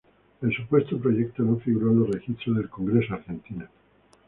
El supuesto proyecto no figura en los registros del Congreso Argentino.